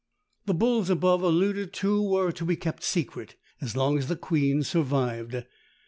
The bulls above alluded to were to be kept secret as long as the queen survived.